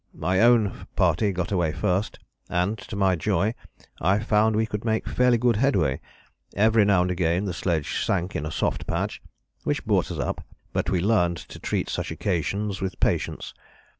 My own party got away first, and, to my joy, I found we could make fairly good headway. Every now and again the sledge sank in a soft patch, which brought us up, but we learned to treat such occasions with patience.